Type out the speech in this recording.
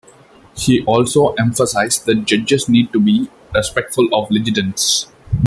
He also emphasized that judges need to be respectful of litigants.